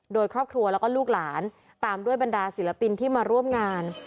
โดยครอบครัวแล้วก็ลูกหลานตามด้วยบรรดาศิลปินที่มาร่วมงาน